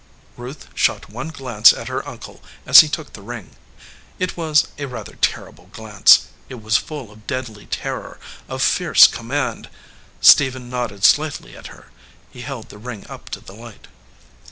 Ruth shot one glance at her uncle as he took the ring. It was rather a terrible glance. It was full of deadly terror, of fierce command. Stephen nodded slightly at her. He held the ring up to the light.